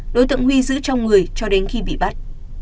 đối tượng huy giữ trong người cho đến khi bị bắt